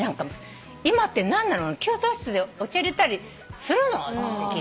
今給湯室でお茶入れたりするの？って聞いた。